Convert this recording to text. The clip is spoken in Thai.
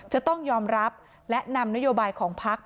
จะต้องยอมรับและนำนโยบัยของภักรประเทศไทย